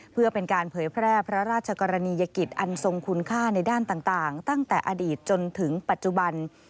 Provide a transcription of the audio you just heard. เพื่อเป็นการเผยแพร่พระราชกรณียกิจอันทรงคุณค่าในด้านต่างตั้งแต่อดีตจนถึงปัจจุบัน